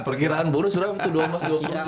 perkiraan baru sudah itu dua emas dua perut